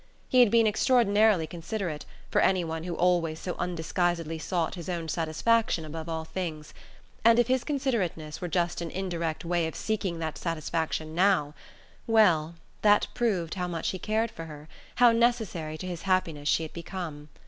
He had been extraordinarily considerate, for anyone who always so undisguisedly sought his own satisfaction above all things; and if his considerateness were just an indirect way of seeking that satisfaction now, well, that proved how much he cared for her, how necessary to his happiness she had become.